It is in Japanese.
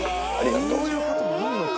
こういう事もあるのか。